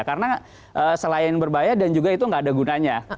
itu berbahaya selain berbahaya dan juga itu gak ada gunanya